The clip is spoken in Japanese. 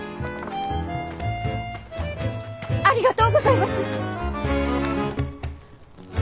ありがとうございます！